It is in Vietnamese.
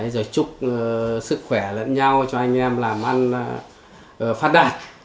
rồi chúc sức khỏe lẫn nhau cho anh em làm ăn phát đạt